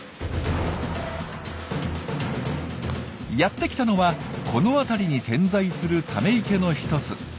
やって来たのはこの辺りに点在するため池の一つ。